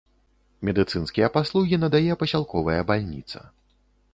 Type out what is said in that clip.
Медыцынскія паслугі надае пасялковая бальніца.